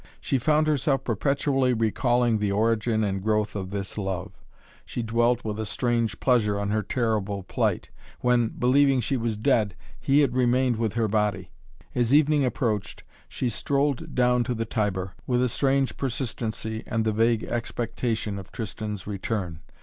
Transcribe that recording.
She found herself perpetually recalling the origin and growth of this love. She dwelt with a strange pleasure on her terrible plight, when, believing she was dead, he had remained with her body. As evening approached she strolled down to the Tiber, with a strange persistency and the vague expectation of Tristan's return.